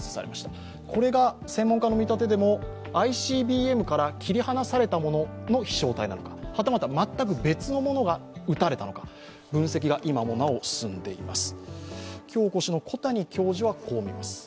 これが専門家の見立てでもＩＣＢＭから切り離された飛翔体なのか、はたまた全く別のものが打たれたのか分析が今もなお進んでいます。